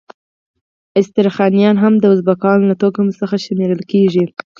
استرخانیان هم د ازبکانو له توکم څخه شمیرل کیږي.